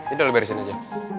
ini lo beresin aja